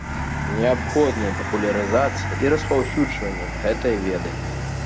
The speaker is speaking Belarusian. Неабходныя папулярызацыя і распаўсюджанне гэтай веды.